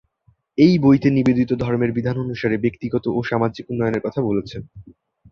এই বইতে নিবেদিতা ধর্মের বিধান অনুসারে ব্যক্তিগত ও সামাজিক উন্নয়নের কথা বলেছেন।